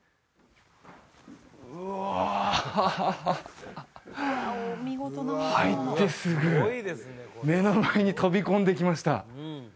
うわ入ってすぐ目の前に飛び込んできました